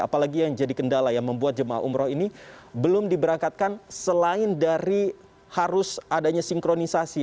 apalagi yang jadi kendala yang membuat jemaah umroh ini belum diberangkatkan selain dari harus adanya sinkronisasi